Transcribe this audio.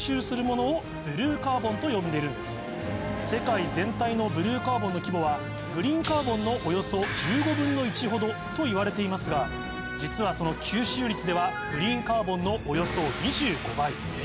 世界全体のブルーカーボンの規模はグリーンカーボンのおよそ１５分の１ほどといわれていますが実はその吸収率ではグリーンカーボンのおよそ２５倍。